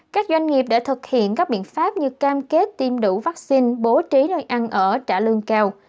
các doanh nghiệp đã thực hiện các biện pháp như cam kết tiêm đủ vaccine bố trí nơi ăn ở trả lương cao